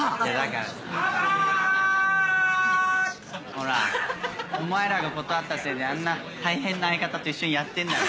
ほらお前らが断ったせいであんな大変な相方と一緒にやってんだよ。